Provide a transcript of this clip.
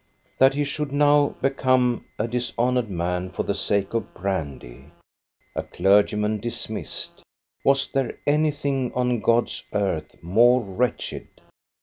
That he should now become a dishonored man for INTRODUCTION 5 the sake of brandy. A clergyman, dismissed ! Was there anything on God's earth more wretched